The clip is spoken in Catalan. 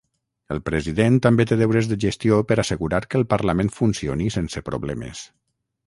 El president també té deures de gestió per assegurar que el Parlament funcioni sense problemes.